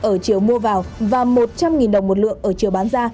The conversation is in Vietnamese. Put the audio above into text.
ở chiều mua vào và một trăm linh đồng một lượng ở chiều bán ra